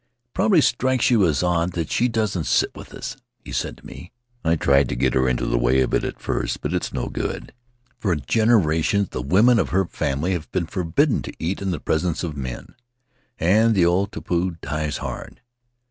"It probably strikes you as odd that she doesn't sit with us," he said to me. "I tried to get her into the way of it at first, but it's no good. For generations the women of her family have been forbidden to eat in the presence of men, and the old tapu dies hard.